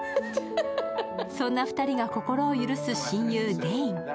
そんな２人が心を許す親友デイン。